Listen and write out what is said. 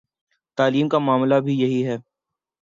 تعلیم کا معاملہ بھی یہی ہے۔